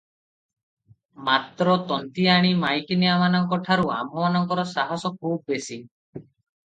ମାତ୍ର ତନ୍ତୀଆଣୀ ମାଈକିନିଆମାନଙ୍କଠାରୁ ଆମ୍ଭମାନଙ୍କର ସାହସ ଖୁବ୍ ବେଶି ।